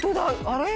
あれ？